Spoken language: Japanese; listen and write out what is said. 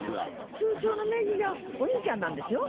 通帳の名義がお兄ちゃんなんですよ。